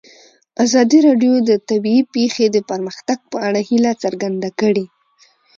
ازادي راډیو د طبیعي پېښې د پرمختګ په اړه هیله څرګنده کړې.